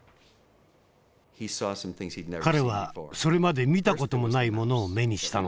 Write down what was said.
彼はそれまで見た事もないものを目にしたのです。